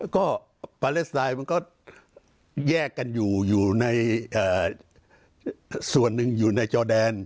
ก็ปาเลสไตล์มันก็แยกกันอยู่อยู่ในส่วนหนึ่งอยู่ในจอแดน